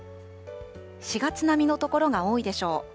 ４月並みの所が多いでしょう。